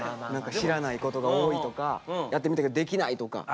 知らないことが多いとかやってみたけどできないとか。